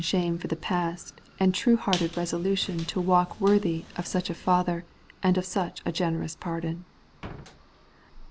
shame for the past, and true hearted resolution to walk worthy of such a father, and of such a generous pardon.